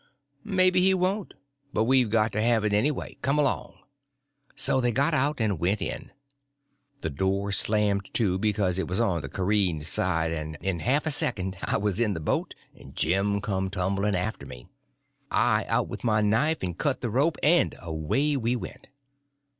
"Maybe he won't. But we got to have it anyway. Come along." So they got out and went in. The door slammed to because it was on the careened side; and in a half second I was in the boat, and Jim come tumbling after me. I out with my knife and cut the rope, and away we went!